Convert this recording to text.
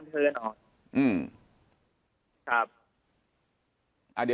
ครับ